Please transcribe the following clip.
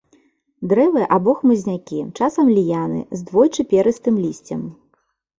Дрэвы або хмызнякі, часам ліяны, з двойчы перыстым лісцем.